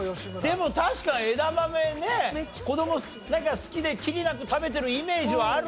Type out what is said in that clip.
でも確かに枝豆ね子供なんか好きできりなく食べてるイメージはあるけどね。